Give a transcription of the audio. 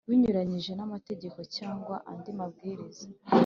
Bunyuranyije n amategeko cyangwa andi mabwiriza